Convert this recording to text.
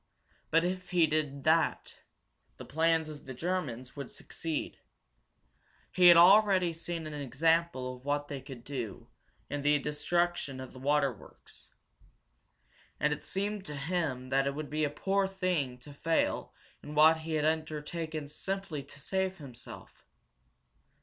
But if he did that, the plans of the Germans would succeed. He had already seen an example of what they could do, in the destruction of the water works. And it seemed to him that it would be a poor thing to fail in what he had undertaken simply to save himself.